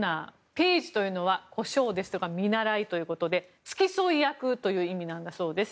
ページというのは小姓ですとか見習いということで付き添い役という意味なんだそうです。